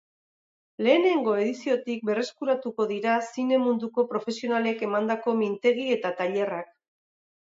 Lehenengo ediziotik berreskuratuko dira zine munduko profesionalek emandako mintegi eta tailerrak.